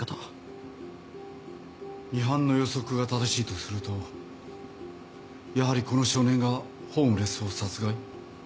ミハンの予測が正しいとするとやはりこの少年がホームレスを殺害？